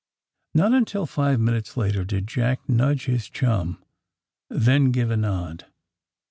Not until five minutes later did Jack nudge his chum, then give a nod.